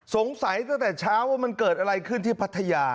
ตั้งแต่เช้าว่ามันเกิดอะไรขึ้นที่พัทยา